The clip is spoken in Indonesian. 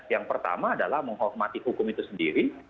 yang pertama adalah menghormati hukum itu sendiri